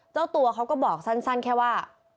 เจ้าตัวเขาก็บอกสั้นแค่ว่า